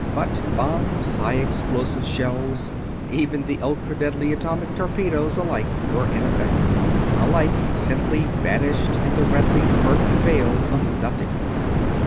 But bombs, high explosive shells, even the ultra deadly atomic torpedoes, alike were ineffective; alike simply vanished in the redly murky veil of nothingness.